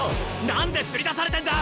何で釣り出されてんだ！